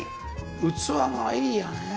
器がいいよね。